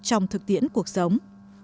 trong thực tiễn cuộc sống